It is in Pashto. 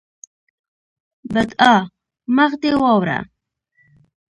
بدعا: مخ دې واوړه!